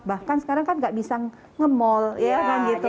bahkan sekarang kan nggak bisa ngemol ya kan gitu